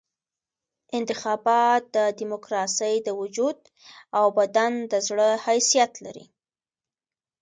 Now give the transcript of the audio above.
انتخابات د ډیموکراسۍ د وجود او بدن د زړه حیثیت لري.